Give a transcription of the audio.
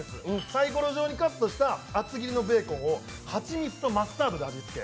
さいころ状にカットした厚切りのベーコンを蜂蜜とマスタードで味付け。